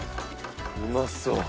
うまそう。